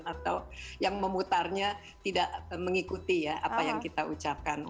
atau yang memutarnya tidak mengikuti ya apa yang kita ucapkan